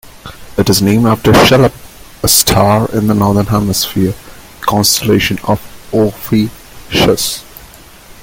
It is named after Cheleb, a star in the northern hemisphere constellation of Ophiuchus.